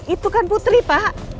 itu kan putri pak